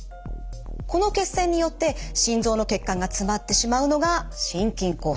この血栓によって心臓の血管が詰まってしまうのが心筋梗塞。